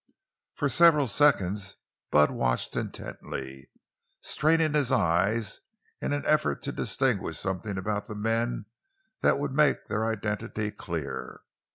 For several seconds Bud watched intently, straining his eyes in an effort to distinguish something about the men that would make their identity clear.